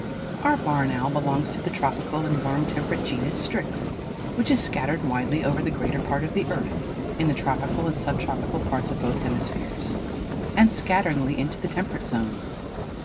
Our barn owl belongs to the tropical and warm temperate genus Strix, which is scattered widely over the greater part of the earth in the tropical and subtropical parts of both hemispheres, and scatteringly into the temperate zones.